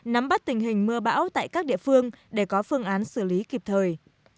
nắm bắt tình hình mưa bão tại các địa phương để có phương án xử lý kịp thời